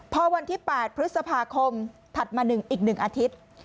พอวันที่๘พฤษภาคมถัดมา๑อีก๑อาทิตย์